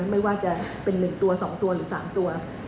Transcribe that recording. ไม่ว่าจะเป็น๑ตัว๒ตัวหรือ๓ตัว